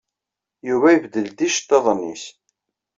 Yuba ibeddel-d iceḍḍiḍen-nnes.